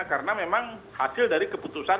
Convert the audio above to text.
karena memang hasil dari keputusan